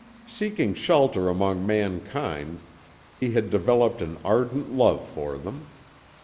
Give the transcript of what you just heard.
Seeking shelter among mankind he had developed an ardent love for them.